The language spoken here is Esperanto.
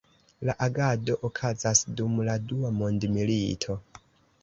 La agado okazas dum la Dua Mondmilito.